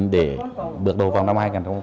để bước đầu vào năm hai nghìn hai mươi